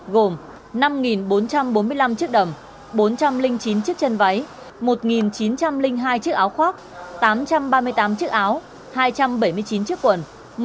gồm năm bốn trăm bốn mươi năm chiếc đầm bốn trăm linh chín chiếc chân váy một chín trăm linh hai chiếc áo khoác tám trăm ba mươi tám chiếc áo hai trăm bảy mươi chín chiếc quần